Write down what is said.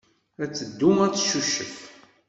Ad teddu ad teccucef.